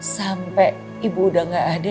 sampai ibu udah gak adik